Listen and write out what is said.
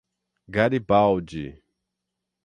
Garibaldi